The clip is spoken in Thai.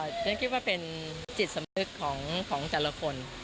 ฉันคิดว่าเป็นจิตสำนึกของแต่ละคน